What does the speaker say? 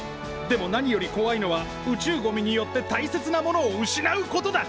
でも何よりこわいのは宇宙ゴミによって大切なものを失うことだ。